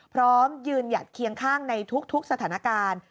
พร้อมยืนหยัดเคียงข้างในทุกสถานการณ์